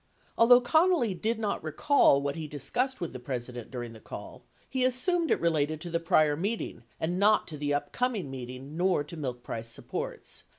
Although Con nally did not recall what he discussed with the President during the call, he assumed it related to the prior meeting and not to the upcom ing meeting nor to milk price supports.